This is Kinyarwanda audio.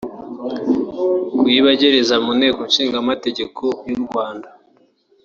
kuyibagereza mu Nteko Ishinga Amategeko y’u Rwanda